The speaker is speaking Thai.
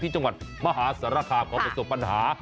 ที่จังหวัดมหาสารคามก็เป็นส่วนปัญหา